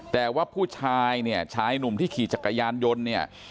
แต่ว่าผู้ชายเนี่ยชายหนุ่มที่ขี่จักรยานยนต์เนี่ย